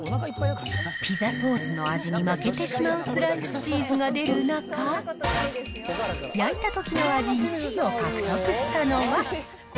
ピザソースの味に負けてしまうスライスチーズが出る中、焼いたときの味１位を獲得したのは。